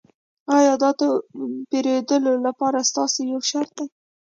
ایا دا د پیرودلو لپاره ستاسو یو شرط دی